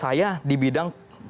saya di bidang kepentingan